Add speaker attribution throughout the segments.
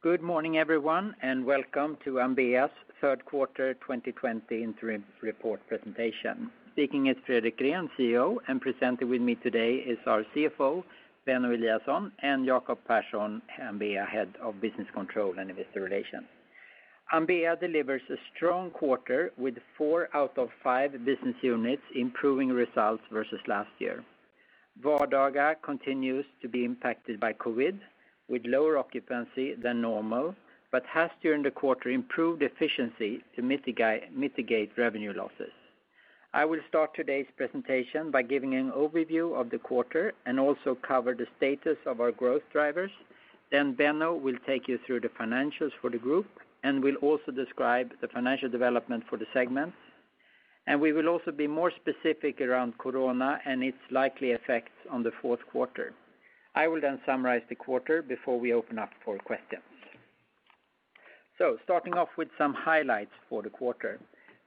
Speaker 1: Good morning, everyone, and welcome to Ambea's third quarter 2020 interim report presentation. Speaking is Fredrik Gren, CEO, and presented with me today is our CFO, Benno Eliasson, and Jacob Persson, Ambea Head of Business Control and Investor Relations. Ambea delivers a strong quarter with four out of five business units improving results versus last year. Vardaga continues to be impacted by COVID, with lower occupancy than normal, but has during the quarter improved efficiency to mitigate revenue losses. I will start today's presentation by giving an overview of the quarter and also cover the status of our growth drivers. Benno will take you through the financials for the group and will also describe the financial development for the segments. We will also be more specific around corona and its likely effects on the fourth quarter. I will then summarize the quarter before we open up for questions. Starting off with some highlights for the quarter.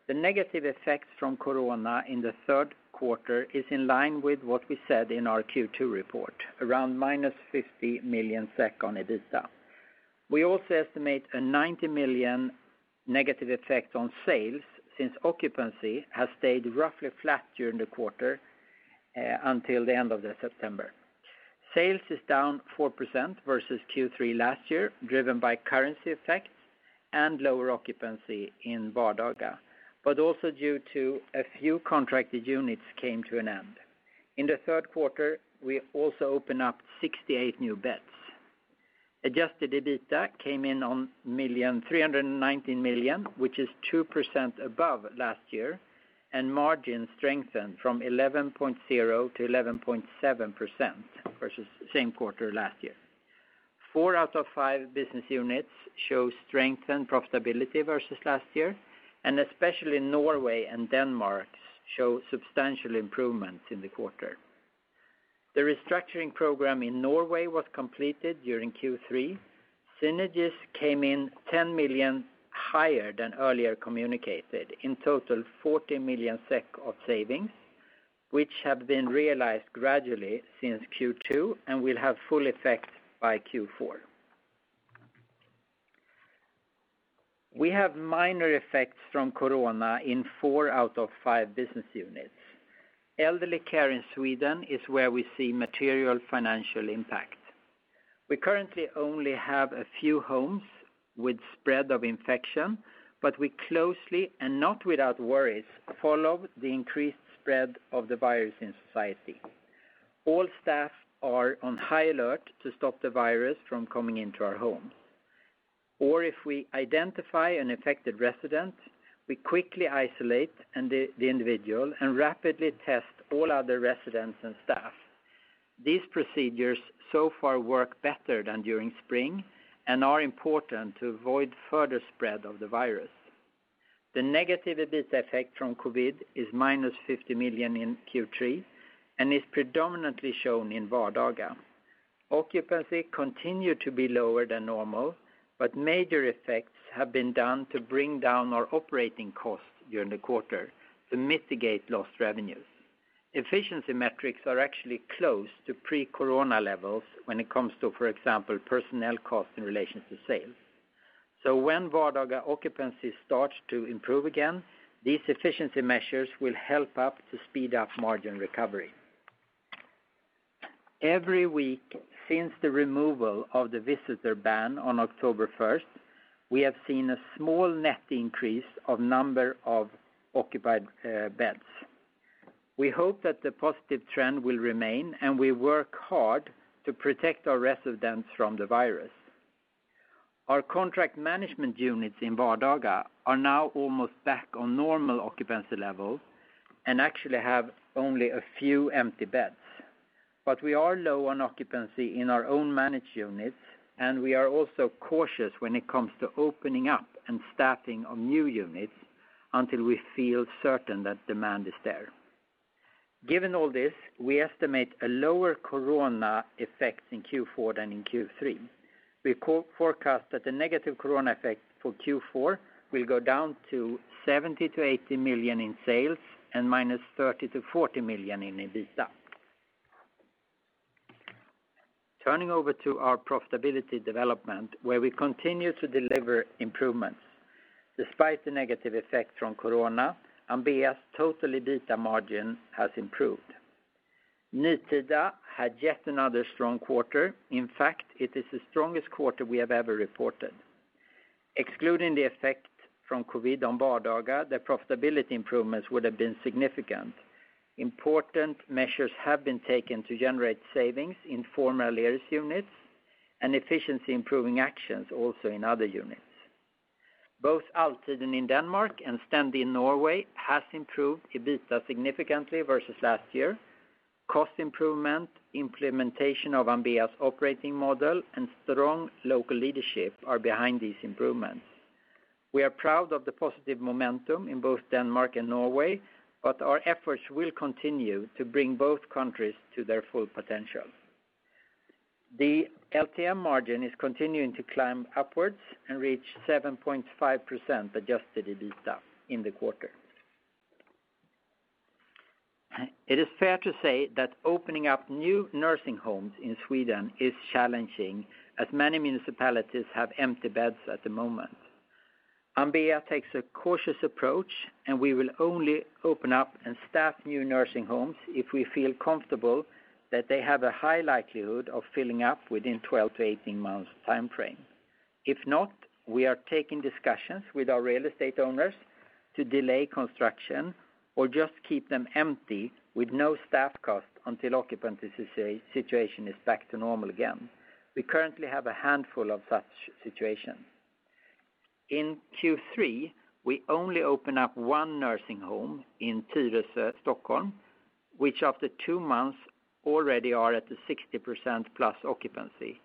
Speaker 1: The negative effects from corona in the third quarter is in line with what we said in our Q2 report, around -50 million SEK on EBITDA. We also estimate a 90 million negative effect on sales since occupancy has stayed roughly flat during the quarter until the end of the September. Sales is down 4% versus Q3 last year, driven by currency effects and lower occupancy in Vardaga, but also due to a few contracted units came to an end. In the third quarter, we also open up 68 new beds. Adjusted EBITDA came in on 319 million, which is 2% above last year, and margin strengthened from 11.0% to 11.7% versus same quarter last year. Four out of five business units show strengthened profitability versus last year, and especially Norway and Denmark show substantial improvements in the quarter. The restructuring program in Norway was completed during Q3. Synergies came in 10 million higher than earlier communicated. In total, 40 million SEK of savings, which have been realized gradually since Q2 and will have full effect by Q4. We have minor effects from COVID in four out of five business units. Elderly care in Sweden is where we see material financial impact. We currently only have a few homes with spread of infection, but we closely, and not without worries, follow the increased spread of the virus in society. All staff are on high alert to stop the virus from coming into our homes. If we identify an affected resident, we quickly isolate the individual and rapidly test all other residents and staff. These procedures so far work better than during spring and are important to avoid further spread of the virus. The negative EBIT effect from COVID is minus 50 million in Q3 and is predominantly shown in Vardaga. Occupancy continued to be lower than normal. Major effects have been done to bring down our operating costs during the quarter to mitigate lost revenues. Efficiency metrics are actually close to pre-COVID levels when it comes to, for example, personnel costs in relation to sales. When Vardaga occupancy starts to improve again, these efficiency measures will help up to speed up margin recovery. Every week since the removal of the visitor ban on October 1st, we have seen a small net increase of number of occupied beds. We hope that the positive trend will remain, and we work hard to protect our residents from the virus. Our Contract Management units in Vardaga are now almost back on normal occupancy levels and actually have only a few empty beds. We are low on occupancy in our own managed units, and we are also cautious when it comes to opening up and staffing of new units until we feel certain that demand is there. Given all this, we estimate a lower COVID effect in Q4 than in Q3. We forecast that the negative COVID effect for Q4 will go down to 70-80 million in sales and minus 30-40 million in EBITDA. Turning over to our profitability development, where we continue to deliver improvements. Despite the negative effect from COVID, Ambea's total EBITDA margin has improved. Nytida had yet another strong quarter. In fact, it is the strongest quarter we have ever reported. Excluding the effect from COVID on Vardaga, the profitability improvements would have been significant. Important measures have been taken to generate savings in former Aleris units and efficiency improving actions also in other units. Both Altiden in Denmark and Stendi in Norway has improved EBITDA significantly versus last year. Cost improvement, implementation of Ambea's operating model, and strong local leadership are behind these improvements. We are proud of the positive momentum in both Denmark and Norway, but our efforts will continue to bring both countries to their full potential. The LTM margin is continuing to climb upwards and reach 7.5% adjusted EBITDA in the quarter. It is fair to say that opening up new nursing homes in Sweden is challenging, as many municipalities have empty beds at the moment. Ambea takes a cautious approach, and we will only open up and staff new nursing homes if we feel comfortable that they have a high likelihood of filling up within 12-18 months timeframe. If not, we are taking discussions with our real estate owners to delay construction or just keep them empty with no staff cost until the occupancy situation is back to normal again. We currently have a handful of such situations. In Q3, we only open up one nursing home in Tyresö, Stockholm, which after two months already are at the 60%+ occupancy.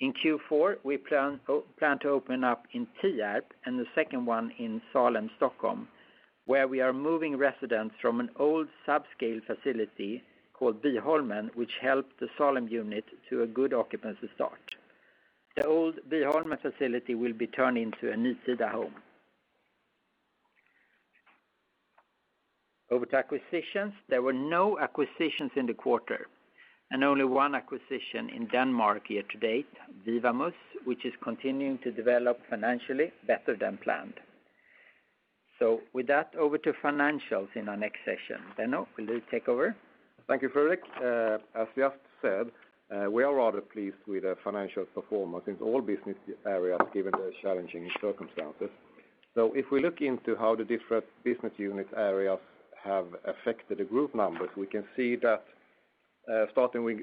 Speaker 1: In Q4, we plan to open up in Tierp and the second one in Solna, Stockholm, where we are moving residents from an old subscale facility called Böholmen, which helped the Solna unit to a good occupancy start. The old Böholmen facility will be turned into a Nytida home. Over to acquisitions. There were no acquisitions in the quarter, only one acquisition in Denmark year to date, Vivamus, which is continuing to develop financially better than planned. With that, over to financials in our next session. Benno, will you take over?
Speaker 2: Thank you, Fredrik. We have said, we are rather pleased with the financial performance in all business areas given the challenging circumstances. If we look into how the different business unit areas have affected the group numbers, we can see that starting with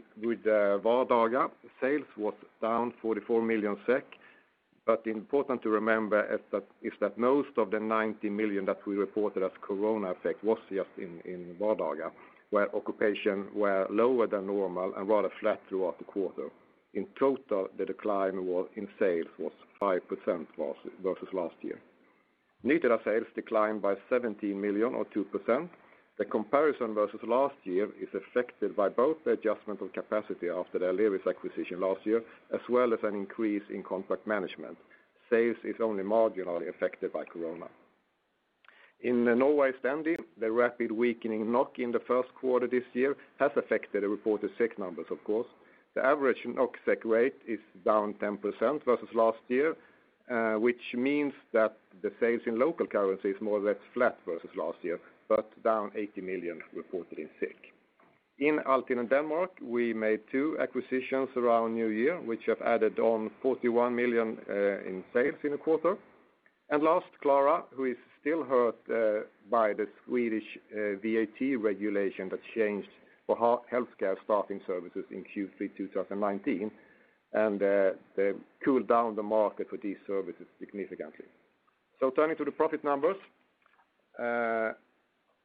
Speaker 2: Vardaga, sales was down 44 million SEK. Important to remember is that most of the 90 million that we reported as COVID effect was just in Vardaga, where occupation were lower than normal and rather flat throughout the quarter. In total, the decline in sales was 5% versus last year. Nytida sales declined by 17 million or 2%. The comparison versus last year is affected by both the adjustment of capacity after the Aleris acquisition last year as well as an increase in Contract Management. Sales is only marginally affected by COVID. In Norway Stendi, the rapid weakening NOK in the first quarter this year has affected the reported SEK numbers, of course. The average NOK/SEK rate is down 10% versus last year, which means that the sales in local currency is more or less flat versus last year, but down 80 million reported in SEK. In Altiden Denmark, we made two acquisitions around New Year, which have added on 41 million in sales in a quarter. Last, Klara, who is still hurt by the Swedish VAT regulation that changed for healthcare staffing services in Q3 2019. They cooled down the market for these services significantly. Turning to the profit numbers.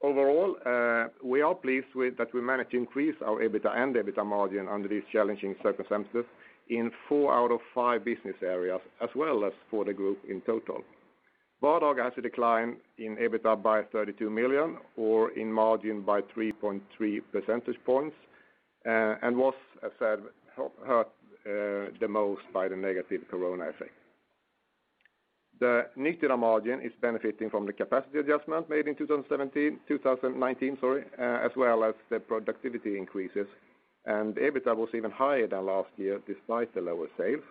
Speaker 2: Overall, we are pleased that we managed to increase our EBITDA and EBITDA margin under these challenging circumstances in four out of five business areas, as well as for the group in total. Vardaga has a decline in EBITDA by 32 million or in margin by 3.3 percentage points and was, as said, hurt the most by the negative COVID effect. The Nytida margin is benefiting from the capacity adjustment made in 2019, as well as the productivity increases, and EBITDA was even higher than last year despite the lower sales.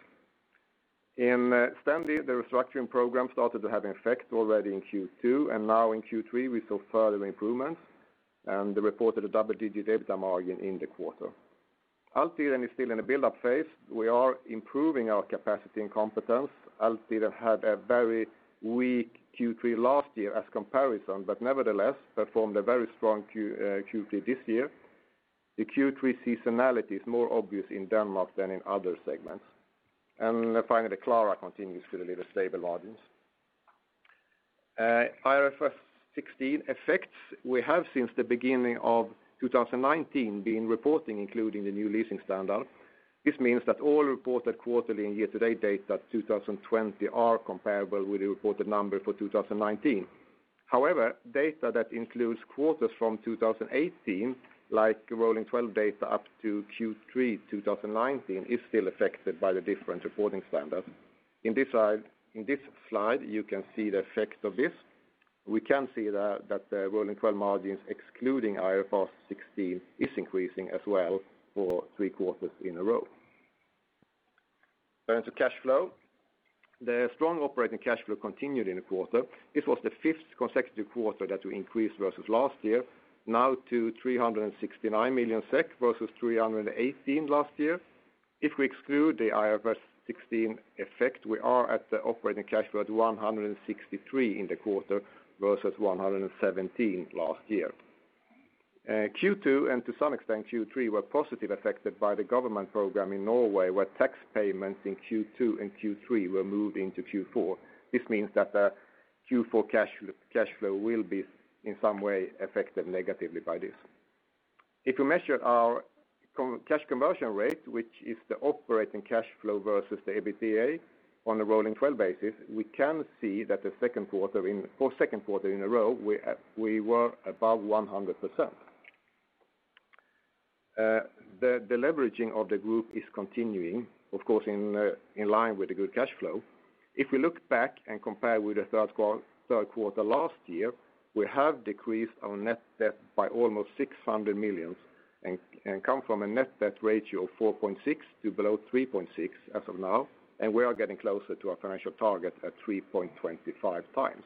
Speaker 2: In Stendi, the restructuring program started to have an effect already in Q2, and now in Q3, we saw further improvements and reported a double-digit EBITDA margin in the quarter. Altiden is still in a build-up phase. We are improving our capacity and competence. Altiden had a very weak Q3 last year as comparison, but nevertheless performed a very strong Q3 this year. The Q3 seasonality is more obvious in Denmark than in other segments. Finally, Klara continues to deliver stable margins. IFRS 16 effects. We have since the beginning of 2019 been reporting including the new leasing standard. This means that all reported quarterly and year-to-date data 2020 are comparable with the reported number for 2019. However, data that includes quarters from 2018, like rolling 12 data up to Q3 2019, is still affected by the different reporting standards. In this slide, you can see the effect of this. We can see that the rolling 12 margins excluding IFRS 16 is increasing as well for three quarters in a row. Turning to cash flow. The strong operating cash flow continued in the quarter. This was the fifth consecutive quarter that we increased versus last year, now to 369 million SEK versus 318 last year. If we exclude the IFRS 16 effect, we are at the operating cash flow at 163 in the quarter versus 117 last year. Q2 and to some extent Q3 were positively affected by the government program in Norway, where tax payments in Q2 and Q3 were moved into Q4. This means that the Q4 cash flow will be in some way affected negatively by this. If we measure our cash conversion rate, which is the operating cash flow versus the EBITDA on a rolling 12 basis, we can see that for the second quarter in a row, we were above 100%. The leveraging of the group is continuing, of course, in line with the good cash flow. If we look back and compare with the third quarter last year, we have decreased our net debt by almost 600 million and come from a net debt ratio of 4.6 to below 3.6 as of now, and we are getting closer to our financial target at 3.25 times.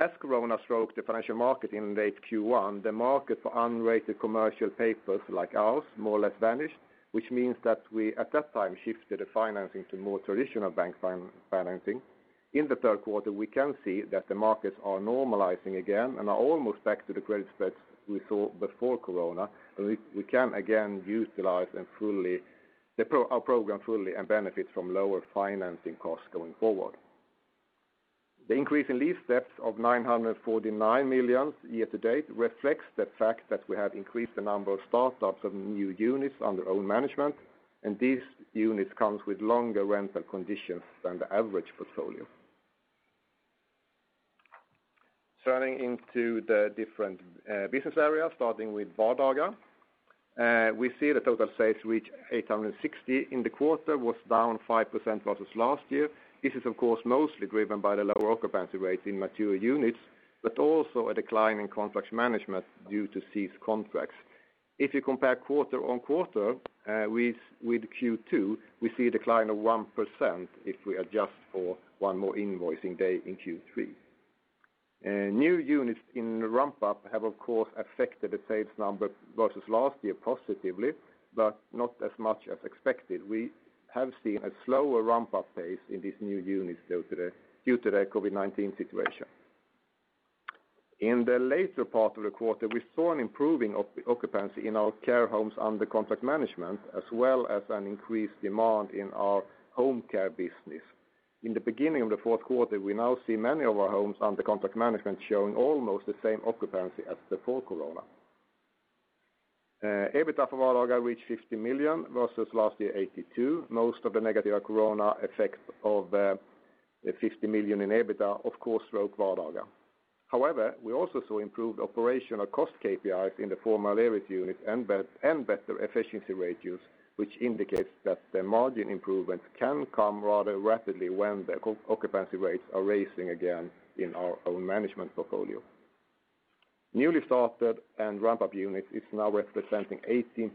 Speaker 2: As COVID stroke the financial market in late Q1, the market for unrated commercial papers like ours more or less vanished, which means that we, at that time, shifted the financing to more traditional bank financing. In the third quarter, we can see that the markets are normalizing again and are almost back to the credit spreads we saw before COVID, we can again utilize our program fully and benefit from lower financing costs going forward. The increase in lease debt of 949 million year to date reflects the fact that we have increased the number of startups of new units under Own Management, these units comes with longer rental conditions than the average portfolio. Turning into the different business areas, starting with Vardaga. We see the total sales reach 860 in the quarter, was down 5% versus last year. This is, of course, mostly driven by the lower occupancy rates in mature units, but also a decline in Contract Management due to ceased contracts. If you compare quarter-on-quarter with Q2, we see a decline of 1% if we adjust for one more invoicing day in Q3. New units in ramp-up have, of course, affected the sales number versus last year positively, but not as much as expected. We have seen a slower ramp-up pace in these new units due to the COVID-19 situation. In the later part of the quarter, we saw an improving occupancy in our care homes under Contract Management, as well as an increased demand in our home care business. In the beginning of the fourth quarter, we now see many of our homes under Contract Management showing almost the same occupancy as before corona. EBITDA for Vardaga reached 50 million versus last year, 82 million. Most of the negative COVID effect of the 50 million in EBITDA, of course, stroke Vardaga. However, we also saw improved operational cost KPIs in the former Aleris units and better efficiency ratios, which indicates that the margin improvements can come rather rapidly when the occupancy rates are raising again in our Own Management portfolio. Newly started and ramp-up units is now representing 18%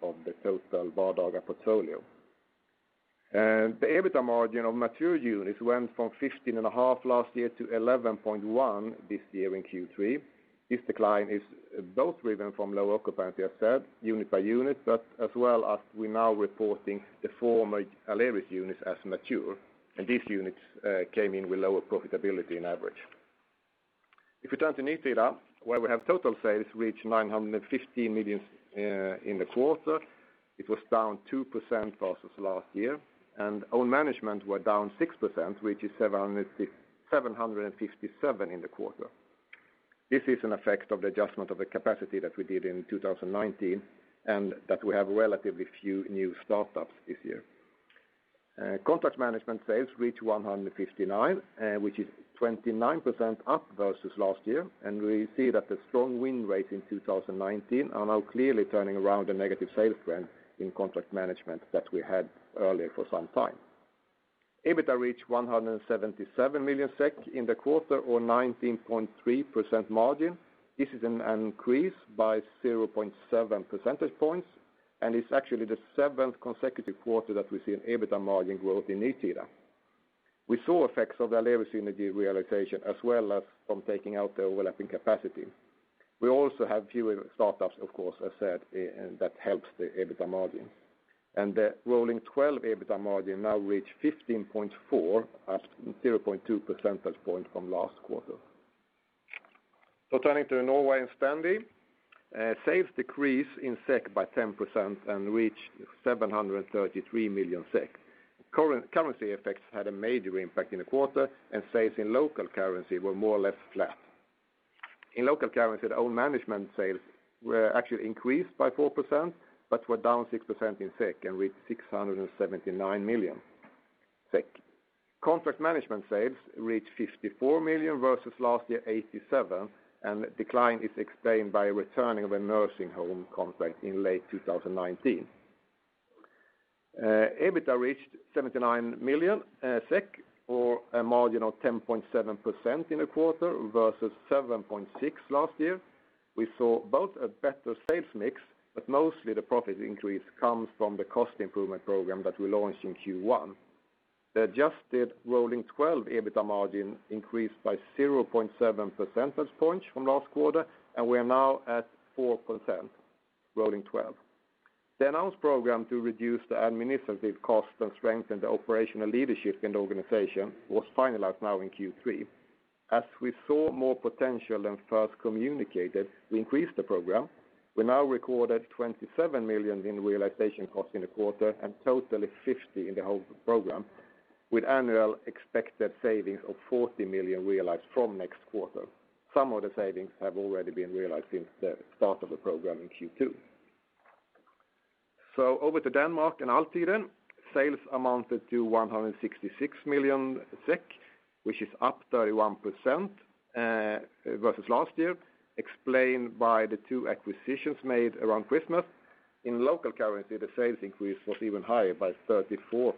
Speaker 2: of the total Vardaga portfolio. The EBITDA margin of mature units went from 15.5% last year to 11.1% this year in Q3. This decline is both driven from low occupancy, as said, unit by unit, but as well as we're now reporting the former Aleris units as mature, and these units came in with lower profitability on average. If we turn to Nytida, where we have total sales reach 915 million in the quarter. It was down 2% versus last year, and Own Management were down 6%, which is 757 in the quarter. This is an effect of the adjustment of the capacity that we did in 2019, and that we have relatively few new startups this year. Contract Management sales reached 159, which is 29% up versus last year, and we see that the strong win rates in 2019 are now clearly turning around the negative sales trend in Contract Management that we had earlier for some time. EBITDA reached 177 million SEK in the quarter, or 19.3% margin. This is an increase by 0.7 percentage points, and it's actually the seventh consecutive quarter that we've seen EBITDA margin growth in Nytida. We saw effects of Aleris synergy realization as well as from taking out the overlapping capacity. We also have fewer startups, of course, as said, that helps the EBITDA margin. The rolling 12 EBITDA margin now reach 15.4, up 0.2 percentage point from last quarter. Turning to Norway and Stendi. Sales decrease in SEK by 10% and reach 733 million SEK. Currency effects had a major impact in the quarter, and sales in local currency were more or less flat. In local currency, the Own Management sales were actually increased by 4% but were down 6% in SEK and reached 679 million SEK. Contract Management sales reached 54 million versus last year, 87 million, and decline is explained by returning of a nursing home contract in late 2019. EBITDA reached 79 million SEK or a margin of 10.7% in the quarter versus 7.6% last year. We saw both a better sales mix, but mostly the profit increase comes from the cost improvement program that we launched in Q1. The adjusted rolling 12 EBITDA margin increased by 0.7 percentage points from last quarter. We are now at 4% rolling 12. The announced program to reduce the administrative cost and strengthen the operational leadership in the organization was finalized now in Q3. We saw more potential than first communicated, we increased the program. We now recorded 27 million in realization cost in the quarter and totally 50 million in the whole program, with annual expected savings of 40 million realized from next quarter. Some of the savings have already been realized since the start of the program in Q2. Over to Denmark and Altiden. Sales amounted to 166 million SEK, which is up 31% versus last year, explained by the two acquisitions made around Christmas. In local currency, the sales increase was even higher by 34%.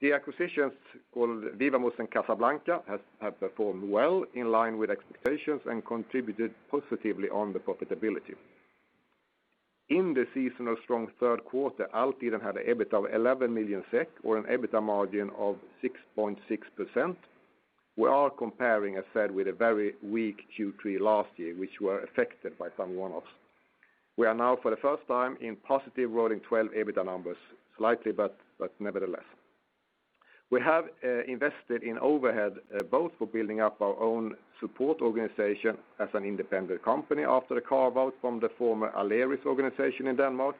Speaker 2: The acquisitions called Vivamus and Casablanca have performed well in line with expectations and contributed positively on the profitability. In the seasonal strong third quarter, Altiden had an EBITDA of 11 million SEK or an EBITDA margin of 6.6%. We are comparing, as said, with a very weak Q3 last year, which were affected by some one-offs. We are now for the first time in positive rolling 12 EBITDA numbers, slightly, but nevertheless. We have invested in overhead both for building up our own support organization as an independent company after the carve-out from the former Aleris organization in Denmark,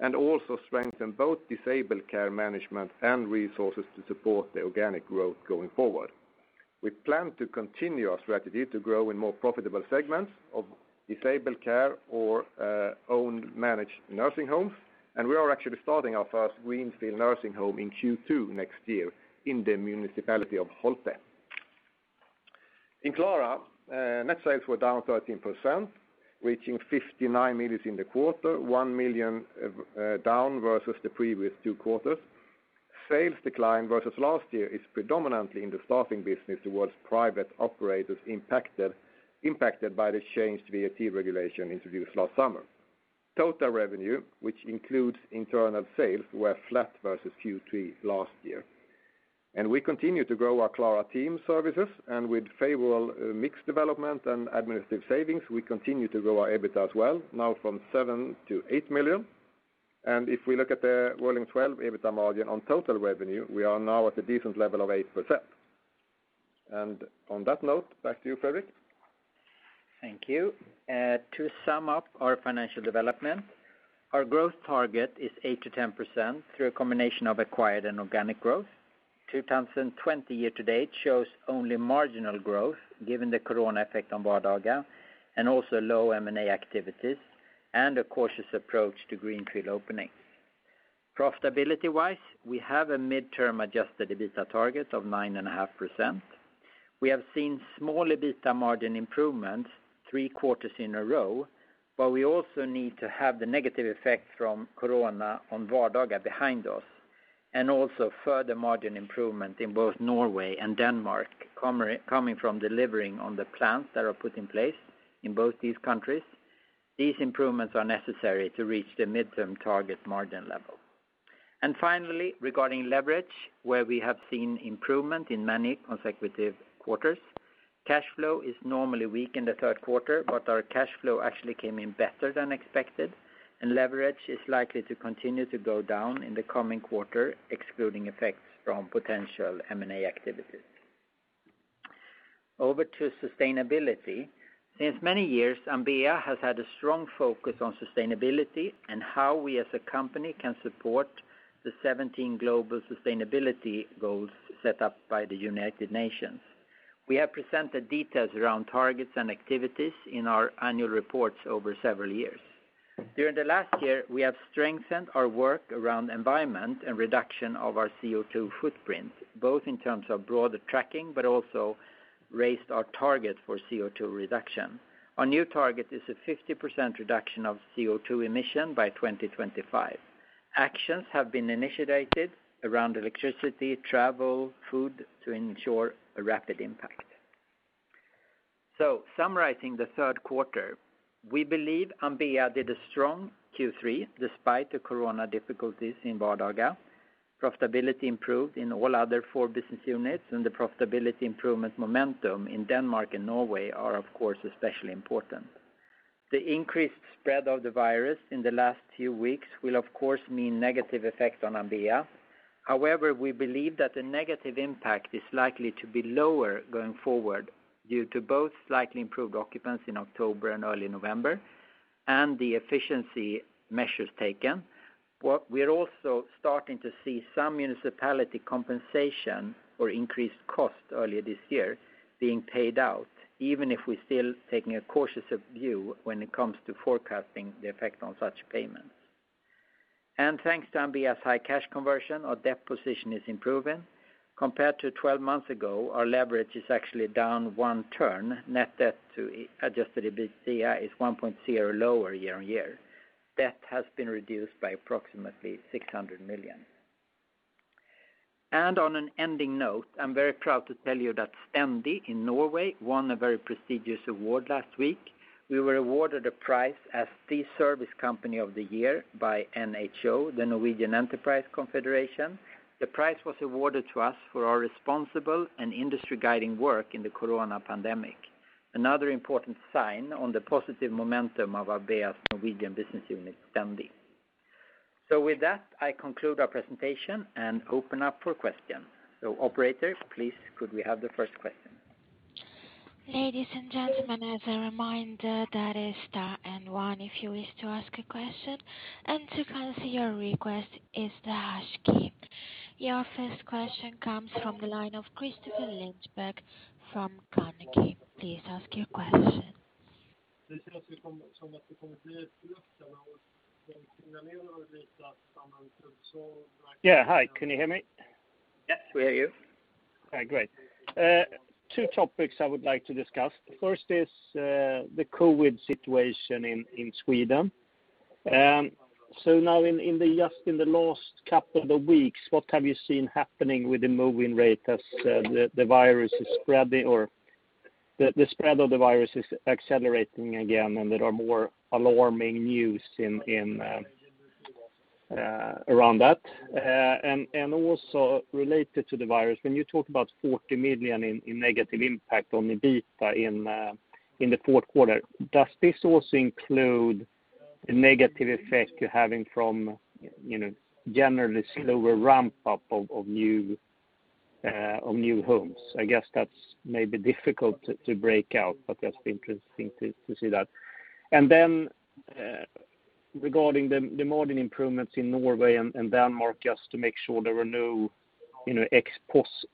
Speaker 2: and also strengthen both disabled care management and resources to support the organic growth going forward. We plan to continue our strategy to grow in more profitable segments of disabled care or owned managed nursing homes. We are actually starting our first Greenfield nursing home in Q2 next year in the municipality of Holte. In Klara, net sales were down 13%, reaching 59 million in the quarter, 1 million down versus the previous two quarters. Sales decline versus last year is predominantly in the staffing business towards private operators impacted by the change to VAT regulation introduced last summer. Total revenue, which includes internal sales, were flat versus Q3 last year. We continue to grow our Klara Teamtjänster, and with favorable mix development and administrative savings, we continue to grow our EBITDA as well, now from 7 million to 8 million. If we look at the rolling 12-month EBITDA margin on total revenue, we are now at a decent level of 8%. On that note, back to you, Fredrik.
Speaker 1: Thank you. To sum up our financial development, our growth target is 8%-10% through a combination of acquired and organic growth. 2020 year-to-date shows only marginal growth given the Corona effect on Vardaga and also low M&A activities and a cautious approach to Greenfield opening. Profitability-wise, we have a midterm adjusted EBITDA target of 9.5%. We have seen small EBITDA margin improvements three quarters in a row. We also need to have the negative effect from Corona on Vardaga behind us, and also further margin improvement in both Norway and Denmark coming from delivering on the plans that are put in place in both these countries. These improvements are necessary to reach the midterm target margin level. Finally, regarding leverage, where we have seen improvement in many consecutive quarters. Cash flow is normally weak in the third quarter, but our cash flow actually came in better than expected, and leverage is likely to continue to go down in the coming quarter, excluding effects from potential M&A activities. Over to sustainability. Since many years, Ambea has had a strong focus on sustainability and how we as a company can support the 17 global sustainability goals set up by the United Nations. We have presented details around targets and activities in our annual reports over several years. During the last year, we have strengthened our work around environment and reduction of our CO2 footprint, both in terms of broader tracking, but also raised our target for CO2 reduction. Our new target is a 50% reduction of CO2 emission by 2025. Actions have been initiated around electricity, travel, food to ensure a rapid impact. Summarizing the third quarter, we believe Ambea did a strong Q3 despite the Corona difficulties in Vardaga. Profitability improved in all other four business units, and the profitability improvement momentum in Denmark and Norway are of course, especially important. The increased spread of the virus in the last few weeks will, of course, mean negative effect on Ambea. However, we believe that the negative impact is likely to be lower going forward due to both slightly improved occupants in October and early November and the efficiency measures taken. We are also starting to see some municipality compensation or increased cost earlier this year being paid out, even if we're still taking a cautious view when it comes to forecasting the effect on such payments. Thanks to Ambea's high cash conversion, our debt position is improving. Compared to 12 months ago, our leverage is actually down one turn. Net debt to adjusted EBITDA is 1.0 lower year-on-year. Debt has been reduced by approximately 600 million. On an ending note, I'm very proud to tell you that Stendi in Norway won a very prestigious award last week. We were awarded a prize as the service company of the year by NHO, the Norwegian Enterprise Confederation. The prize was awarded to us for our responsible and industry guiding work in the COVID pandemic. Another important sign on the positive momentum of Ambea's Norwegian business unit, Stendi. With that, I conclude our presentation and open up for questions. Operators, please could we have the first question?
Speaker 3: Ladies and gentlemen, as a reminder, that is star and one if you wish to ask a question. To cancel your request is the hash key. Your first question comes from the line of Christopher Lindberg from Carnegie. Please ask your question.
Speaker 4: Hi, can you hear me?
Speaker 1: Yes, we hear you.
Speaker 4: Great. Two topics I would like to discuss. First is the COVID situation in Sweden. Now just in the last couple of weeks, what have you seen happening with the moving rate as the spread of the virus is accelerating again, and there are more alarming news around that? Also related to the virus, when you talk about 40 million in negative impact on the EBITDA in the fourth quarter, does this also include the negative effect you're having from generally slower ramp-up of new homes? I guess that's maybe difficult to break out, but that's interesting to see that. Then regarding the margin improvements in Norway and Denmark, just to make sure there were no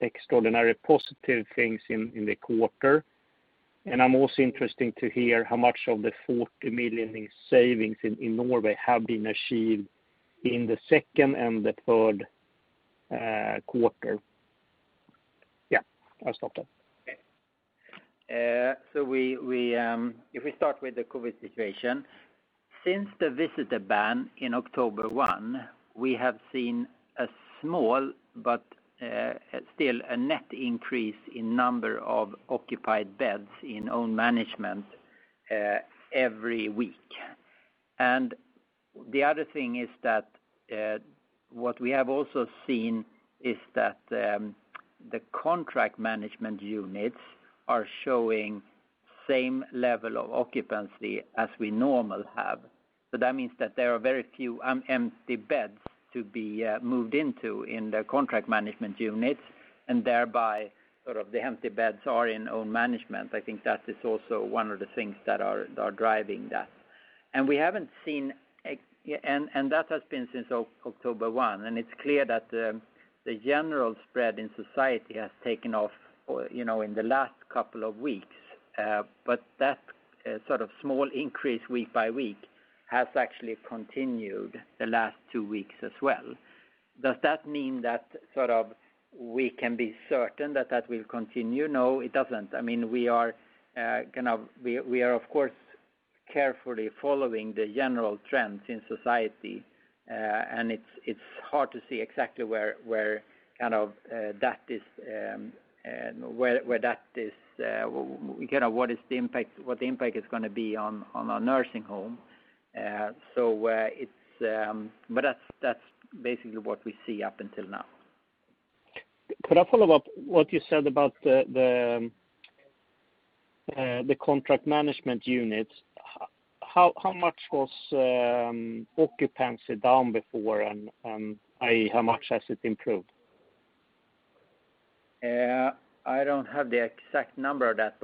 Speaker 4: extraordinary positive things in the quarter. I'm also interested to hear how much of the 40 million in savings in Norway have been achieved in the second and the third quarter. I'll stop there.
Speaker 1: If we start with the COVID situation. Since the visitor ban in October 1, we have seen a small, but still a net increase in number of occupied beds in Own Management every week. The other thing is that what we have also seen is that the Contract Management units are showing same level of occupancy as we normally have. That means that there are very few empty beds to be moved into in the Contract Management units, and thereby the empty beds are in Own Management. I think that is also one of the things that are driving that. That has been since October 1, and it's clear that the general spread in society has taken off in the last couple of weeks. That small increase week by week has actually continued the last two weeks as well. Does that mean that we can be certain that will continue? No, it doesn't. We are of course carefully following the general trends in society, and it's hard to see exactly what the impact is going to be on a nursing home. That's basically what we see up until now.
Speaker 4: Could I follow up what you said about the Contract Management units? How much was occupancy down before, and how much has it improved?
Speaker 1: I don't have the exact number of that.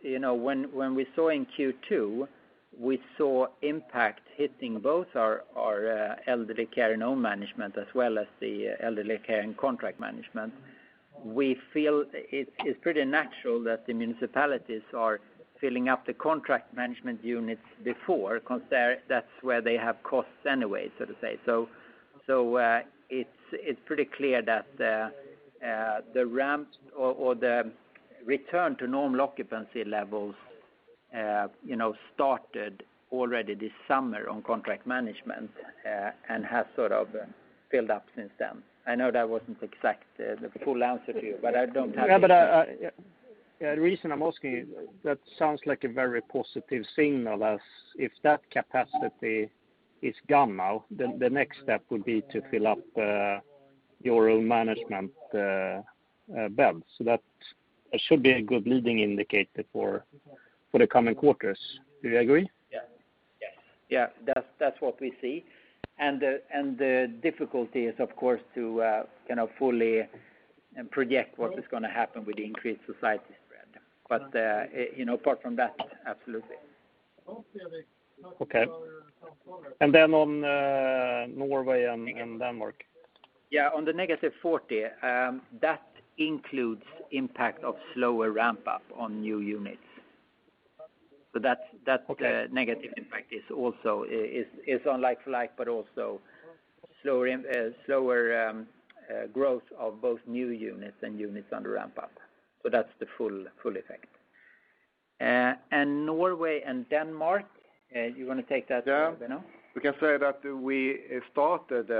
Speaker 1: When we saw in Q2, we saw impact hitting both our elderly care in Own Management as well as the elderly care in Contract Management. We feel it's pretty natural that the municipalities are filling up the Contract Management units before, because that's where they have costs anyway. It's pretty clear that the return to normal occupancy levels started already this summer on Contract Management, and has built up since then. I know that wasn't exact the full answer to you, but I don't have-
Speaker 4: The reason I'm asking you, that sounds like a very positive signal as if that capacity is gone now, then the next step would be to fill up your own management beds. That should be a good leading indicator for the coming quarters. Do you agree?
Speaker 1: Yes. That's what we see. The difficulty is, of course, to fully project what is going to happen with the increased society spread. Apart from that, absolutely.
Speaker 4: Okay. On Norway and Denmark.
Speaker 1: On the negative 40, that includes impact of slower ramp-up on new units. That negative impact is on like for like, but also slower growth of both new units and units under ramp-up. That's the full effect. Norway and Denmark, you want to take that, Benno?
Speaker 2: We can say that we started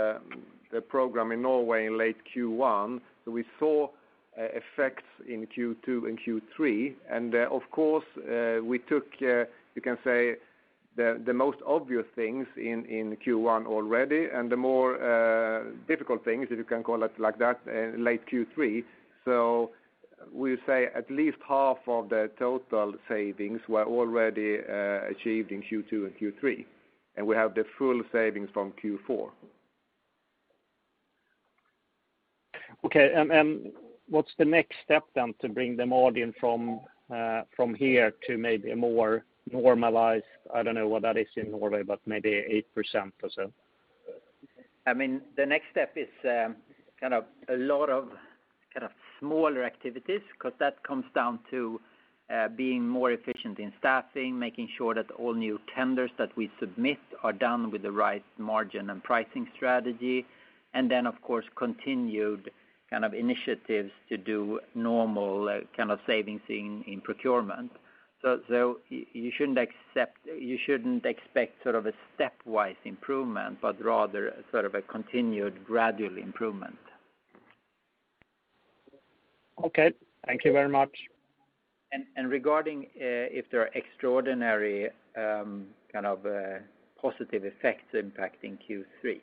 Speaker 2: the program in Norway in late Q1. We saw effects in Q2 and Q3. Of course, we took the most obvious things in Q1 already, and the more difficult things, if you can call it like that, late Q3. We say at least half of the total savings were already achieved in Q2 and Q3, and we have the full savings from Q4.
Speaker 4: Okay. What's the next step then to bring the margin from here to maybe a more normalized, I don't know what that is in Norway, but maybe 8% or so?
Speaker 1: The next step is a lot of smaller activities, because that comes down to being more efficient in staffing, making sure that all new tenders that we submit are done with the right margin and pricing strategy, and then, of course, continued initiatives to do normal savings in procurement. You shouldn't expect a stepwise improvement, but rather a continued gradual improvement.
Speaker 4: Okay. Thank you very much.
Speaker 2: Regarding if there are extraordinary positive effects impacting Q3.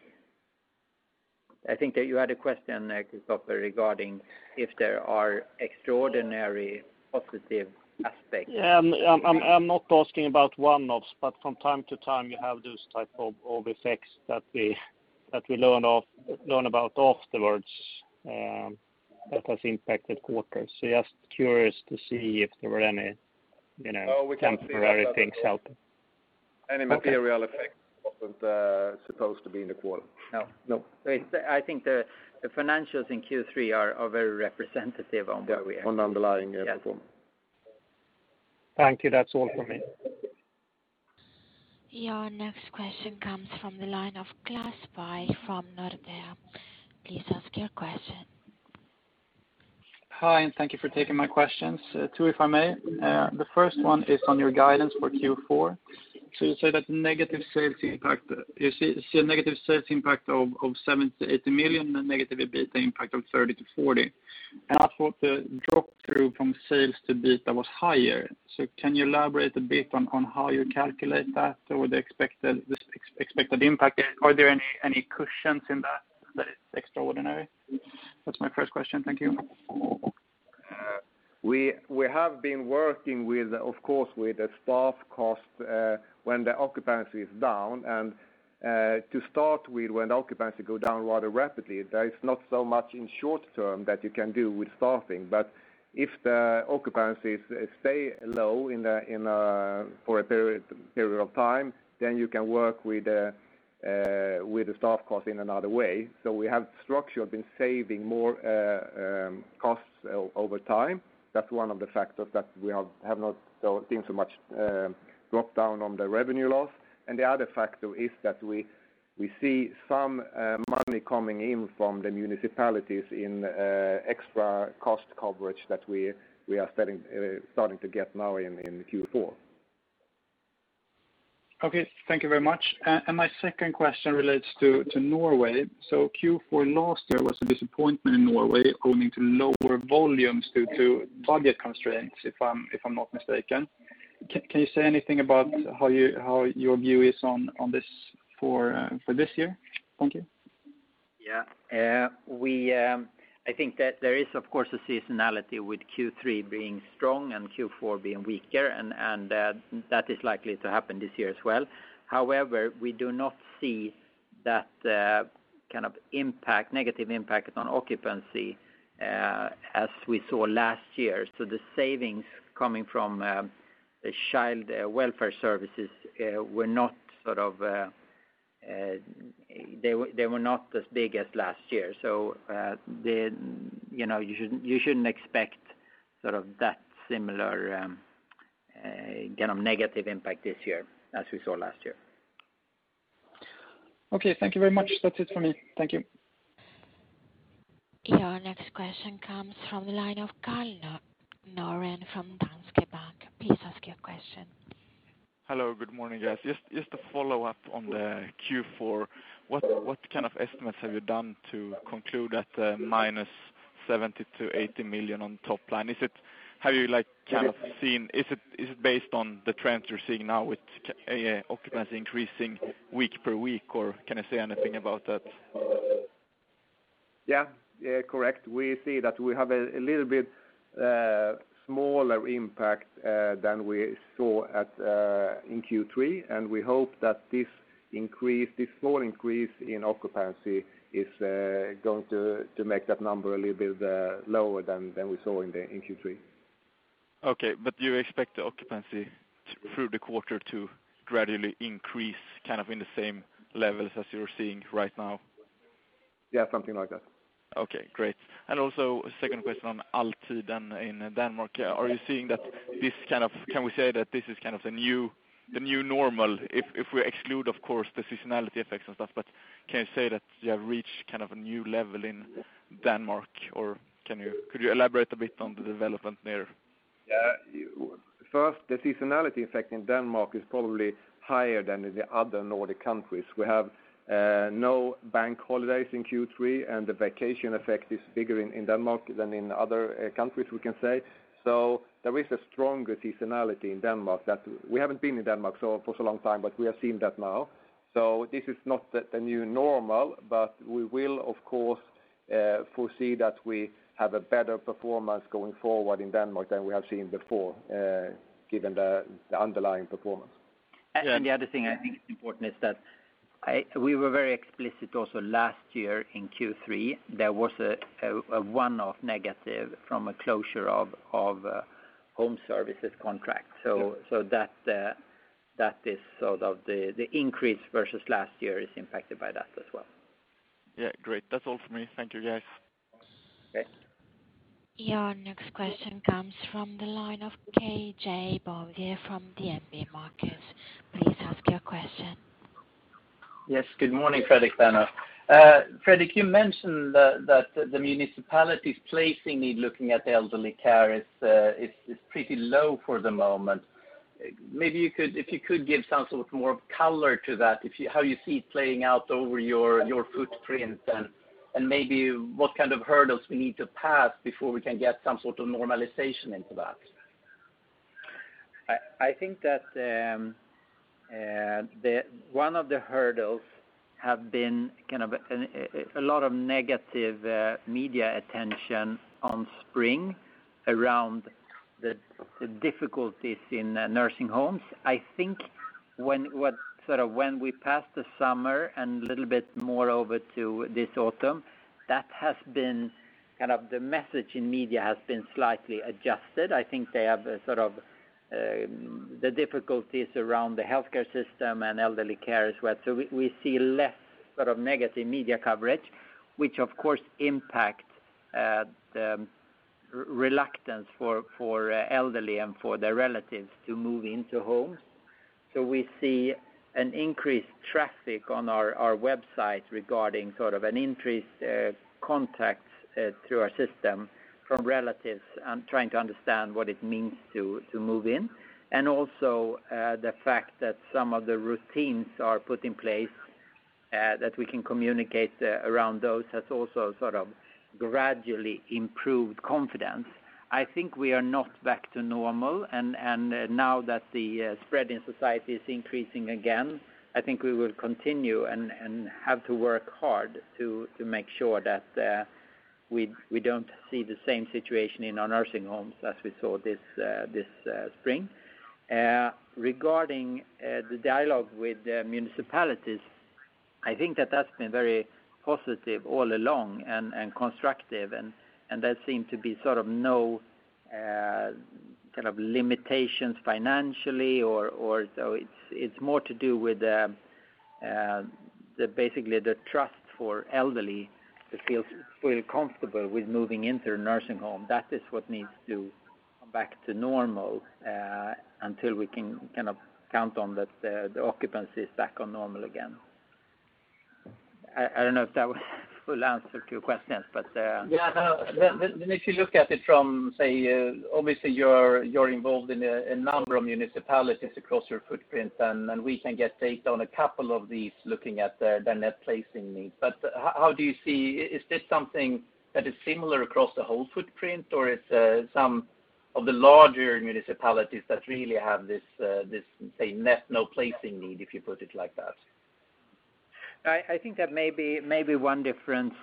Speaker 2: I think that you had a question, Christopher, regarding if there are extraordinary positive aspects.
Speaker 4: I'm not asking about one-offs, but from time to time, you have those type of effects that we learn about afterwards that has impacted quarters. Just curious to see if there were any.
Speaker 2: Oh, we can't see.
Speaker 4: Temporary things helping.
Speaker 2: Any material effect that wasn't supposed to be in the quarter.
Speaker 1: No.
Speaker 2: No.
Speaker 1: I think the financials in Q3 are very representative on where we are.
Speaker 2: On underlying performance.
Speaker 1: Yes.
Speaker 4: Thank you. That's all from me.
Speaker 3: Your next question comes from the line of Clas By from Nordea. Please ask your question.
Speaker 5: Hi, thank you for taking my questions. Two, if I may. The first one is on your guidance for Q4. You say that negative sales impact of 70 million-80 million and negative EBITA impact of 30 million-40 million. I thought the drop-through from sales to EBITA was higher. Can you elaborate a bit on how you calculate that or the expected impact? Are there any cushions in that that is extraordinary? That's my first question. Thank you.
Speaker 2: We have been working, of course, with the staff cost when the occupancy is down. To start with, when the occupancy go down rather rapidly, there is not so much in short term that you can do with staffing. If the occupancies stay low for a period of time, then you can work with the staff cost in another way. We have structurally been saving more costs over time. That's one of the factors that we have not seen so much drop-down on the revenue loss. The other factor is that we see some money coming in from the municipalities in extra cost coverage that we are starting to get now in Q4.
Speaker 5: Okay. Thank you very much. My second question relates to Norway. Q4 last year was a disappointment in Norway owing to lower volumes due to budget constraints, if I'm not mistaken. Can you say anything about how your view is on this for this year? Thank you.
Speaker 1: I think that there is, of course, a seasonality with Q3 being strong and Q4 being weaker, and that is likely to happen this year as well. However, we do not see that kind of negative impact on occupancy as we saw last year. The savings coming from the child welfare services were not as big as last year. You shouldn't expect that similar negative impact this year as we saw last year.
Speaker 5: Okay. Thank you very much. That's it for me. Thank you.
Speaker 3: Your next question comes from the line of Karl Norén from Danske Bank. Please ask your question.
Speaker 6: Hello. Good morning, guys. Just a follow-up on the Q4. What kind of estimates have you done to conclude that the minus 70 million-80 million on top line? Is it based on the trends you're seeing now with occupancy increasing week per week, or can you say anything about that?
Speaker 2: Yeah. Correct. We see that we have a little bit smaller impact than we saw in Q3, and we hope that this small increase in occupancy is going to make that number a little bit lower than we saw in Q3.
Speaker 6: Okay. You expect the occupancy through the quarter to gradually increase in the same levels as you're seeing right now?
Speaker 2: Yeah, something like that.
Speaker 6: Okay, great. Also, second question on Altiden in Denmark. Can we say that this is the new normal if we exclude, of course, the seasonality effects and stuff, but can you say that you have reached a new level in Denmark? Could you elaborate a bit on the development there?
Speaker 2: The seasonality effect in Denmark is probably higher than in the other Nordic countries. We have no bank holidays in Q3, and the vacation effect is bigger in Denmark than in other countries, we can say. There is a stronger seasonality in Denmark that we haven't been in Denmark for so long time, but we have seen that now. This is not the new normal, but we will of course foresee that we have a better performance going forward in Denmark than we have seen before given the underlying performance.
Speaker 1: The other thing I think is important is that we were very explicit also last year in Q3. There was a one-off negative from a closure of a Home services contract. That is the increase versus last year is impacted by that as well.
Speaker 6: Yeah. Great. That's all for me. Thank you, guys.
Speaker 1: Okay.
Speaker 3: Your next question comes from the line of Kristofer Olsson from DNB Markets. Please ask your question.
Speaker 7: Yes. Good morning, Fredrik, Benno. Fredrik, you mentioned that the municipalities placements looking at the elderly care is pretty low for the moment. Maybe if you could give some sort of more color to that, how you see it playing out over your footprint and maybe what kind of hurdles we need to pass before we can get some sort of normalization into that.
Speaker 1: I think that one of the hurdles have been a lot of negative media attention on spring around the difficulties in nursing homes. I think when we passed the summer and a little bit more over to this autumn, the message in media has been slightly adjusted. I think they have the difficulties around the healthcare system and elderly care as well. We see less negative media coverage, which of course impacts the reluctance for elderly and for their relatives to move into homes. We see an increased traffic on our website regarding an increased contacts through our system from relatives trying to understand what it means to move in. Also the fact that some of the routines are put in place that we can communicate around those has also gradually improved confidence. I think we are not back to normal. Now that the spread in society is increasing again, I think we will continue and have to work hard to make sure that we don't see the same situation in our nursing homes as we saw this spring. Regarding the dialogue with the municipalities, I think that's been very positive all along and constructive. There seem to be no limitations financially or so it's more to do with basically the trust for elderly to feel fully comfortable with moving into a nursing home. That is what needs to come back to normal until we can count on that the occupancy is back on normal again. I don't know if that was a full answer to your questions.
Speaker 7: Yeah. If you look at it from, obviously you're involved in a number of municipalities across your footprint, and we can get data on a couple of these looking at their net placing needs. How do you see? Is this something that is similar across the whole footprint, or it's some of the larger municipalities that really have this net no placing need, if you put it like that?
Speaker 1: I think that may be one difference.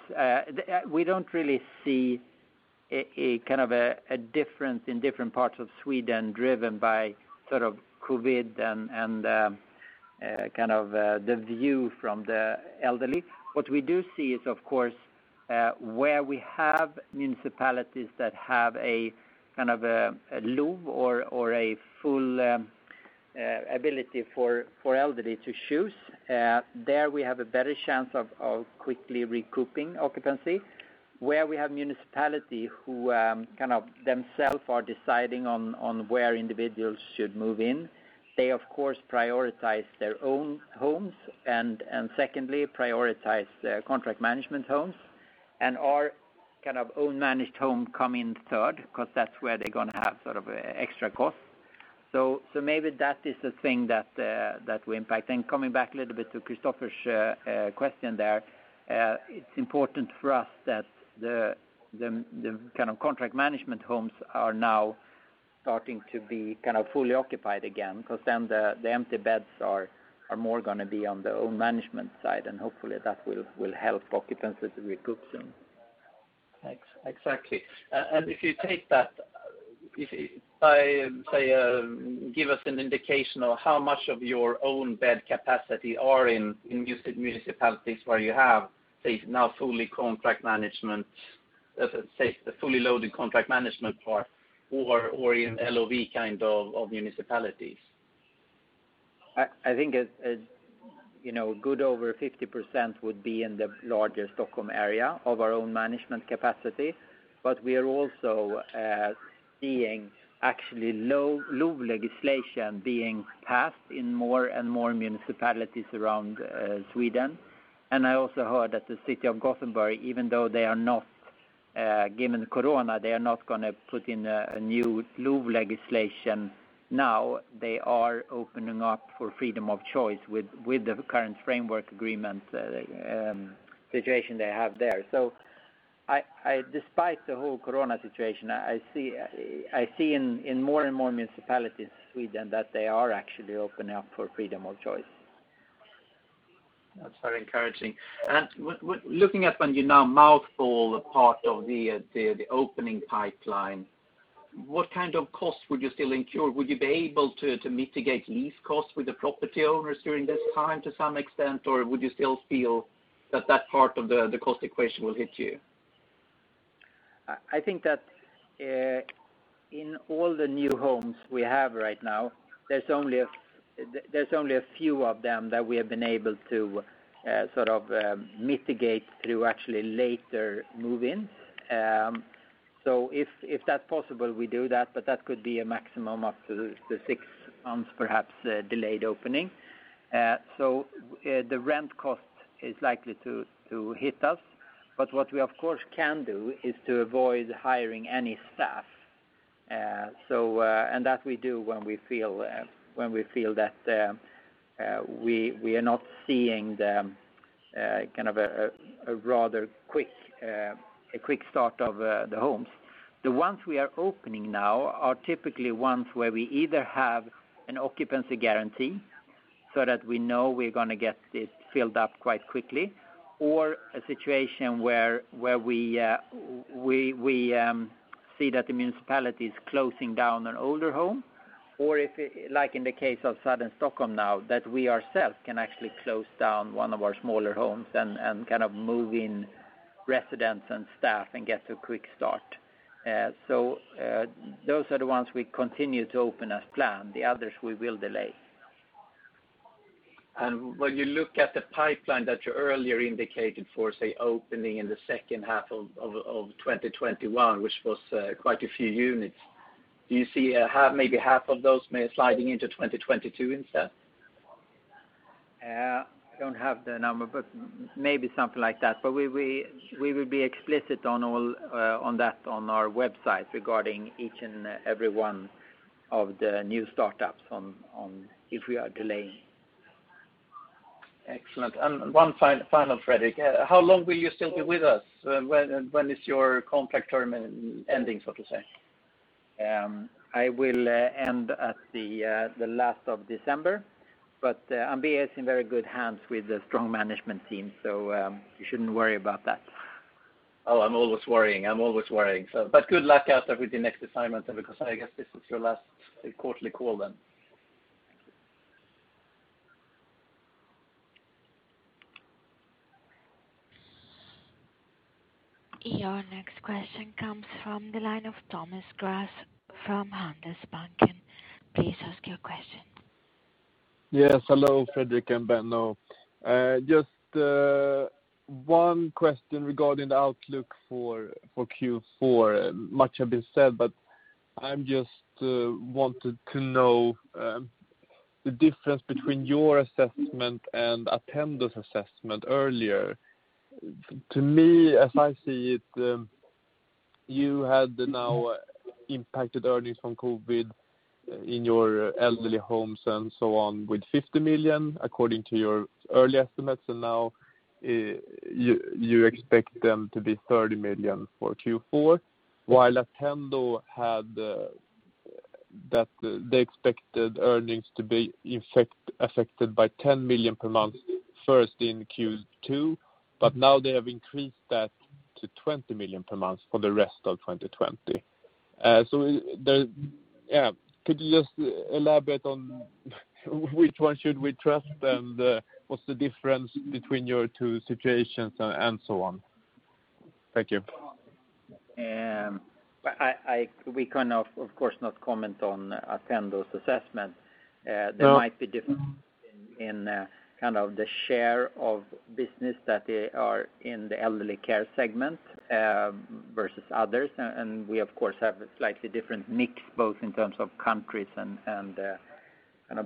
Speaker 1: We don't really see a difference in different parts of Sweden driven by COVID and the view from the elderly. What we do see is of course where we have municipalities that have a LOV or a full ability for elderly to choose, there we have a better chance of quickly recouping occupancy. Where we have municipality who themselves are deciding on where individuals should move in, they of course prioritize their own homes and secondly prioritize Contract Management homes and our Own Management home come in third because that's where they're going to have extra costs. Maybe that is the thing that will impact. Coming back a little bit to Christopher's question there, it's important for us that the Contract Management homes are now starting to be fully occupied again, because then the empty beds are more going to be on the Own Management side, and hopefully that will help occupancy to recoup soon.
Speaker 7: Thanks. Exactly. If you take that, give us an indication of how much of your own bed capacity are in municipalities where you have, say, now fully loaded Contract Management part or in LOV kind of municipalities.
Speaker 1: I think a good over 50% would be in the larger Stockholm area of our Own Management capacity. We are also seeing actually LOV legislation being passed in more and more municipalities around Sweden. I also heard that the city of Gothenburg, even though given the COVID, they are not going to put in a new LOV legislation now. They are opening up for freedom of choice with the current framework agreement situation they have there. Despite the whole COVID situation, I see in more and more municipalities in Sweden that they are actually opening up for freedom of choice.
Speaker 7: That's very encouraging. Looking at when you now model part of the opening pipeline, what kind of costs would you still incur? Would you be able to mitigate lease costs with the property owners during this time to some extent, or would you still feel that that part of the cost equation will hit you.
Speaker 1: I think that in all the new homes we have right now, there's only a few of them that we have been able to mitigate through actually later move-ins. If that's possible, we do that, but that could be a maximum up to the six months, perhaps, delayed opening. The rent cost is likely to hit us, but what we of course can do is to avoid hiring any staff. That we do when we feel that we are not seeing a rather quick start of the homes. The ones we are opening now are typically ones where we either have an occupancy guarantee so that we know we're going to get it filled up quite quickly, or a situation where we see that the municipality is closing down an older home. If, like in the case of southern Stockholm now, that we ourselves can actually close down one of our smaller homes and move in residents and staff and get a quick start. Those are the ones we continue to open as planned. The others we will delay.
Speaker 7: When you look at the pipeline that you earlier indicated for, say, opening in the second half of 2021, which was quite a few units. Do you see maybe half of those may sliding into 2022 instead?
Speaker 1: I don't have the number, but maybe something like that. We will be explicit on that on our website regarding each and every one of the new startups if we are delaying.
Speaker 7: Excellent. One final, Fredrik. How long will you still be with us? When is your contract term ending, so to say?
Speaker 1: I will end at the last of December, but Ambea is in very good hands with a strong management team, so you shouldn't worry about that.
Speaker 7: Oh, I'm always worrying. Good luck out with your next assignment then because I guess this is your last quarterly call then.
Speaker 1: Thank you.
Speaker 3: Your next question comes from the line of Thomas Gessner from Handelsbanken. Please ask your question.
Speaker 8: Yes. Hello, Fredrik and Benno. Just one question regarding the outlook for Q4. Much has been said, but I just wanted to know the difference between your assessment and Attendo's assessment earlier. To me, as I see it, you had now impacted earnings from COVID in your elderly homes and so on with 50 million, according to your early estimates. Now you expect them to be 30 million for Q4, while Attendo had that they expected earnings to be affected by 10 million per month, first in Q2, but now they have increased that to 20 million per month for the rest of 2020. Could you just elaborate on which one should we trust and what's the difference between your two situations and so on? Thank you.
Speaker 1: We can of course not comment on Attendo's assessment. There might be differences in the share of business that they are in the elderly care segment versus others, and we of course have a slightly different mix both in terms of countries and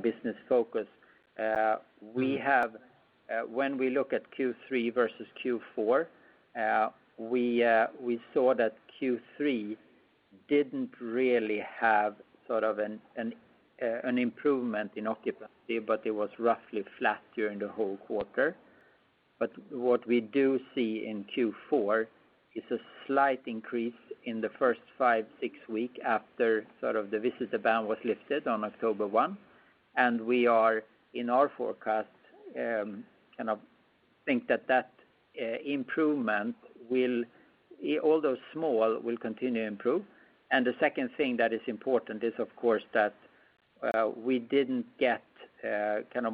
Speaker 1: business focus. When we look at Q3 versus Q4, we saw that Q3 didn't really have an improvement in occupancy, but it was roughly flat during the whole quarter. What we do see in Q4 is a slight increase in the first five, six weeks after the visitor ban was lifted on October 1. We are in our forecast, think that improvement, although small, will continue to improve. The second thing that is important is of course that we didn't get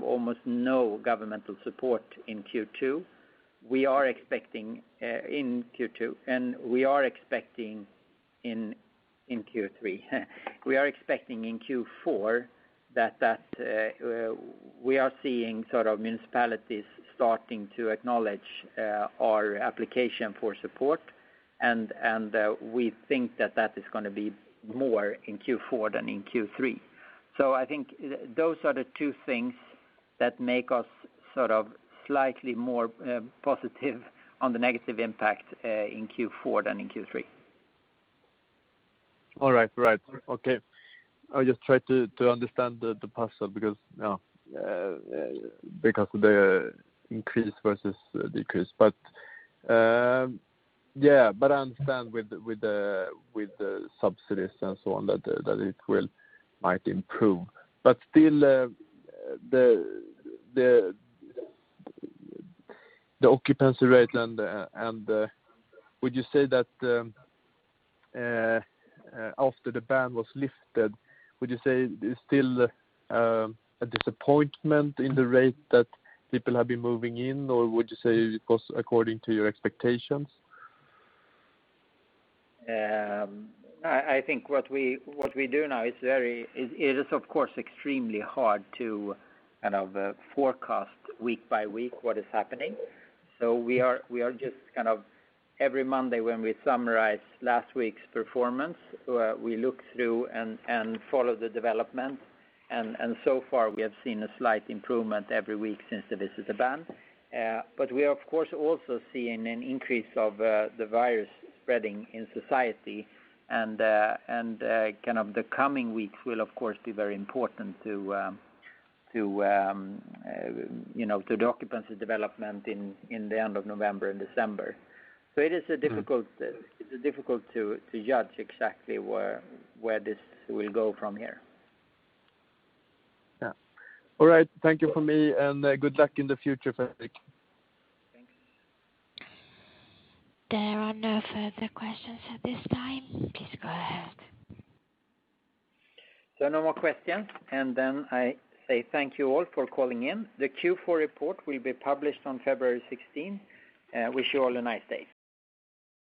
Speaker 1: almost no governmental support in Q2. We are expecting in Q4 that we are seeing municipalities starting to acknowledge our application for support. We think that that is going to be more in Q4 than in Q3. I think those are the two things that make us slightly more positive on the negative impact in Q4 than in Q3.
Speaker 8: All right. Okay. I just try to understand the puzzle because of the increase versus decrease. I understand with the subsidies and so on that it might improve. Still the occupancy rate and would you say that after the ban was lifted, would you say it's still a disappointment in the rate that people have been moving in? Or would you say it was according to your expectations?
Speaker 1: I think what we do now it is of course extremely hard to forecast week by week what is happening. We are just every Monday when we summarize last week's performance, we look through and follow the development. So far we have seen a slight improvement every week since the visitor ban. We are of course also seeing an increase of the virus spreading in society and the coming weeks will of course be very important to the occupancy development in the end of November and December. It is difficult to judge exactly where this will go from here.
Speaker 8: Yeah. All right. Thank you from me, and good luck in the future, Fredrik.
Speaker 1: Thanks.
Speaker 3: There are no further questions at this time. Please go ahead.
Speaker 1: No more questions, I say thank you all for calling in. The Q4 report will be published on February 16th. Wish you all a nice day.